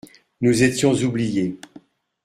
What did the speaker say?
Nous étions oubliés.